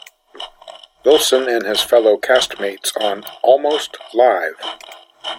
Wilson and his fellow cast-mates on Almost Live!